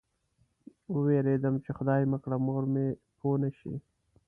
وېرېدم چې خدای مه کړه مور مې پوه نه شي.